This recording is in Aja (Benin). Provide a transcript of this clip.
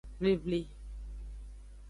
Vivli.